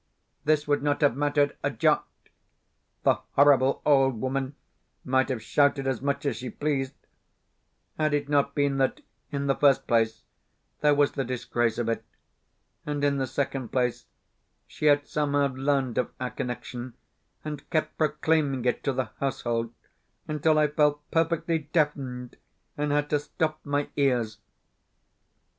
This would not have mattered a jot the horrible old woman might have shouted as much as she pleased had it not been that, in the first place, there was the disgrace of it, and, in the second place, she had somehow learned of our connection, and kept proclaiming it to the household until I felt perfectly deafened, and had to stop my ears.